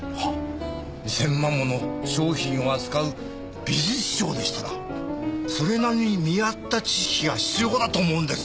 ２０００万もの商品を扱う美術商でしたらそれなりに見合った知識が必要かなと思うんです。